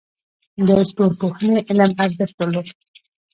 د ستورپوهنې علم ارزښت درلود